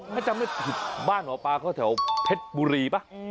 ไม่จำได้ถึงบ้านหมอปลาเขาแถวเพชรบุรีป่ะ